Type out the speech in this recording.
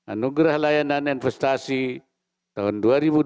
anugerah layanan investasi tahun dua ribu dua puluh